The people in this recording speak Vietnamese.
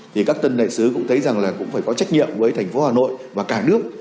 thì các tân đại sứ cũng thấy rằng là cũng phải có trách nhiệm với thành phố hà nội và cả nước